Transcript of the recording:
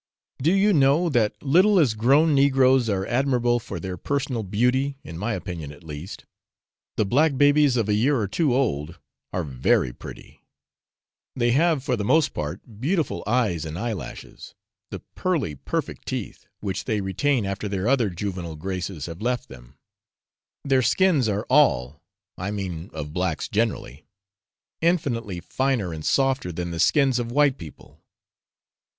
Do you know that little as grown negroes are admirable for their personal beauty (in my opinion, at least), the black babies of a year or two old are very pretty; they have for the most part beautiful eyes and eyelashes, the pearly perfect teeth, which they retain after their other juvenile graces have left them; their skins are all (I mean of blacks generally) infinitely finer and softer than the skins of white people.